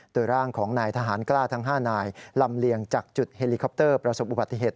โดยร่างของนายทหารกล้าทั้ง๕นายลำเลียงจากจุดเฮลิคอปเตอร์ประสบอุบัติเหตุ